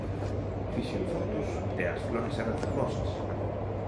Fixen fotos e as flores eran fermosas.